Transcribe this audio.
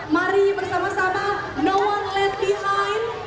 mari bersama sama no one left behind